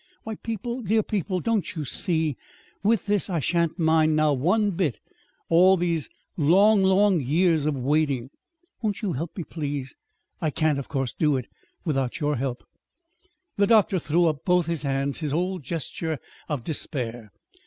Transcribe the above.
Why, people, dear people, don't you see? with this I shan't mind now one bit all these long, long years of waiting. Won't you help me please? I can't, of course, do it without your help." The doctor threw up both his hands his old gesture of despair.